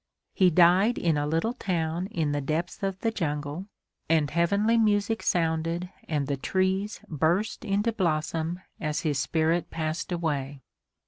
He died in a little town in the depths of the jungle, and heavenly music sounded and the trees burst into blossom as his spirit passed away.